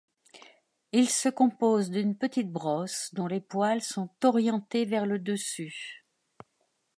Il se compose d’une petite brosse dont les poils sont orientés vers le dessus.